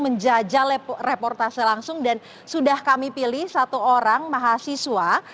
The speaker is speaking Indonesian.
menjajal reportase langsung dan sudah kami pilih satu orang mahasiswa